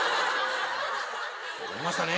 分かりましたね。